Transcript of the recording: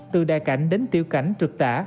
từ đại cảnh đến tiểu cảnh trực tả